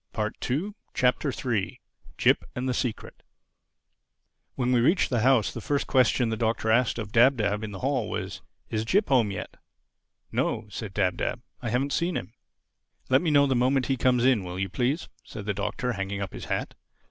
THE THIRD CHAPTER JIP AND THE SECRET WHEN we reached the house the first question the Doctor asked of Dab Dab in the hall was, "Is Jip home yet?" "No," said Dab Dab, "I haven't seen him." "Let me know the moment he comes in, will you, please?" said the Doctor, hanging up his hat.